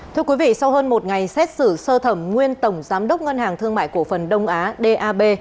thưa quý vị sau hơn một ngày xét xử sơ thẩm nguyên tổng giám đốc ngân hàng thương mại cổ phần đông á d a b